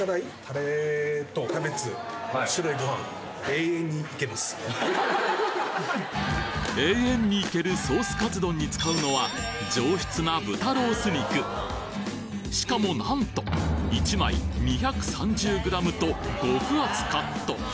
永遠にいけるソースカツ丼に使うのは上質なしかもなんと１枚２３０ｇと極厚カット